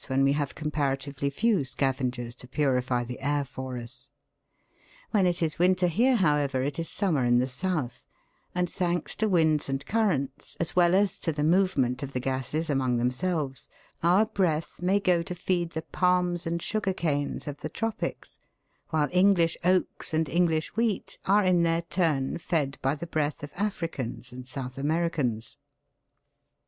when we have comparatively few scavengers to purify the air for us ? When it is winter here, however, it is summer in the South, and, thanks to winds and currents, as well as to the movement of the gases among themselves, our breath may go to feed the palms and sugar canes of the tropics, while English oaks and English wheat are in their turn fed by the breath of Africans and South Americans.